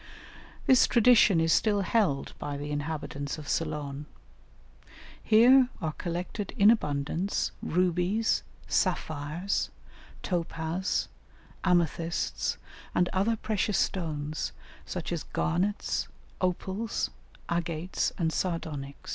This tradition is still held by the inhabitants of Ceylon. Here are collected in abundance, rubies, sapphires, topaz, amethysts, and other precious stones, such as garnets, opals, agates, and sardonyx.